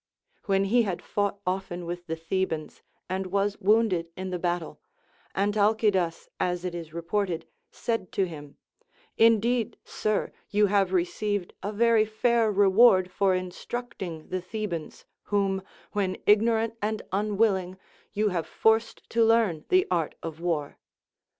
When he had fought often with the Thebans and was wounded in the battle, Antalcidas, as it is reported, said to him : Indeed, sir, you have received a Λ^ery fair reward for instructing the The bans, whom, when ignorant and unwilling, you have forced to learn the art of war.